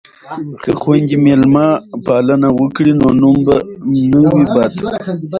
که خویندې میلمه پالنه وکړي نو نوم به نه وي بد.